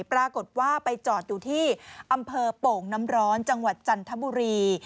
ปรากฏว่าไปจอดอยู่ที่อำเภอโป่งน้ำร้อนจังหวัดจันทบุรี